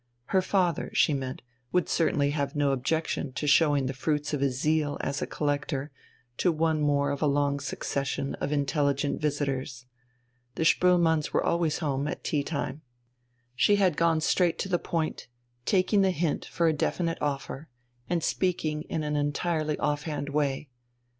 Her father, she meant, would certainly have no objection to showing the fruits of his zeal as a collector to one more of a long succession of intelligent visitors. The Spoelmanns were always at home at tea time. She had gone straight to the point, taking the hint for a definite offer, and speaking in an entirely off hand way.